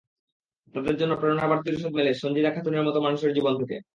তাদের জন্য প্রেরণার বাড়তি রসদ মেলে সন্জীদা খাতুনের মতো মানুষের জীবন থেকে।